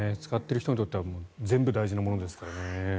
使っている人にとっては全部大事なものですからね。